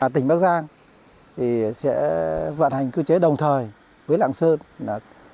tỉnh bắc giang sẽ vận hành cơ chế đồng thời với lạng sơn